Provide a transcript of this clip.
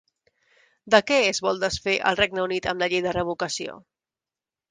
De què es vol desfer el Regne Unit amb la llei de revocació?